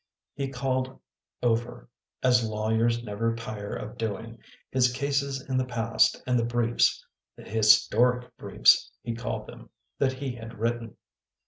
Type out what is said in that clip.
He called over, as lawyers never tire of doing, his cases in the past and the briefs, the " historic briefs " he called them, that he had written.